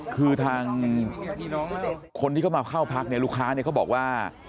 คือทางคนที่เข้ามาเข้าพักเนี่ยลูกค้าเนี่ยเขาบอกว่า